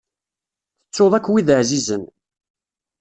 Tettuḍ akk wid ɛzizen.